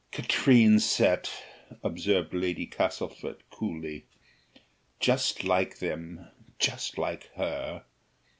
"Katrine's set," observed Lady Castlefort coolly. "Just like them; just like her!"